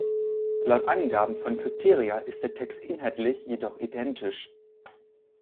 Laut Angaben von Krypteria ist der Text inhaltlich jedoch identisch.